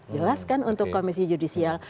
jelas kan untuk komisi judisial